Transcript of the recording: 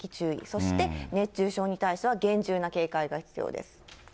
そして熱中症に対しては厳重な警戒が必要です。